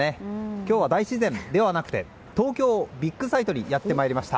今日は大自然ではなくて東京ビッグサイトにやってまいりました。